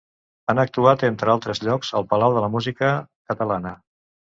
Han actuat, entre altres llocs, al Palau de la Música Catalana.